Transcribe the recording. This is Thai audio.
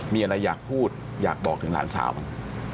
มีอะไรอยากพูดอยากบอกถึงหลานสาวบ้าง